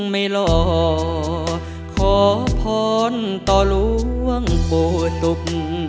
ไม่หล่อขอพรต่อล่วงโปสุม